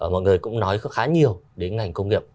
mọi người cũng nói khá nhiều đến ngành công nghiệp